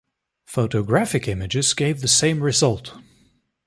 Photographic images gave the same result.